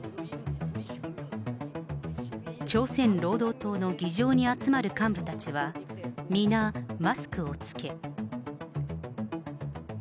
朝鮮労働党の議場に集まる幹部たちは、皆、マスクを着け。